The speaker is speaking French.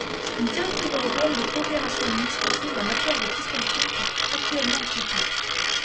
Une directive européenne de coopération administrative en matière de fiscalité est actuellement en chantier.